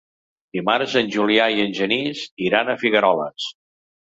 Dimarts en Julià i en Genís iran a Figueroles.